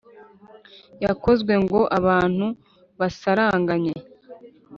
yakozwe ngo abantu basaranganye,